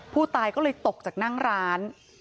ผู้ตายก็เลยตกจากนั่งร้าน